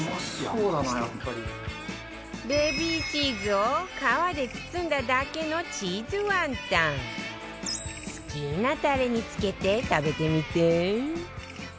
ベビーチーズを皮で包んだだけの好きなタレにつけて食べてみて